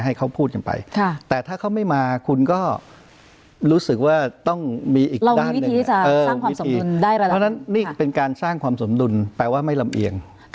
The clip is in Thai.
ให้เขาพูดกันไป